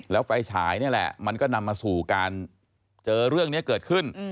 แล้วไฟฉายนี่แหละมันก็นำมาสู่การเจอเรื่องนี้เกิดขึ้น